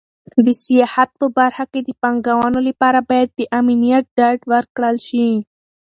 د سیاحت په برخه کې د پانګونې لپاره باید د امنیت ډاډ ورکړل شي.